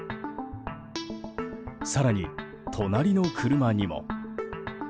更に隣の車にも。